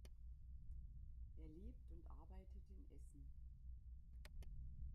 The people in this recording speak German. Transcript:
Er lebt und arbeitet in Essen.